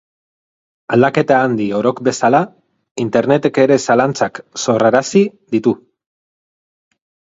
Aldaketa handi orok bezala, Internetek ere zalantzak sorrarazi ditu.